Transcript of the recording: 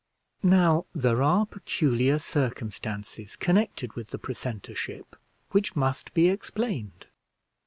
Now there are peculiar circumstances connected with the precentorship which must be explained.